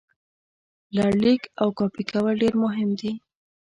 لړلیک او کاپي کول ډېر مهم دي.